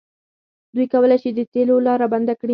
دوی کولی شي د تیلو لاره بنده کړي.